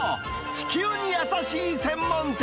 地球に優しい専門店。